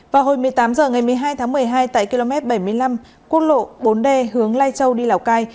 vào hồi một mươi tám h ngày một mươi hai tháng một mươi hai tại km bảy mươi năm quốc lộ bốn d hướng lai châu đi lào cai